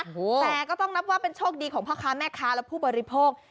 แต่ก็ต้องนับว่าเป็นโชคดีของพ่อค้าแม่ค้าและผู้บริโภค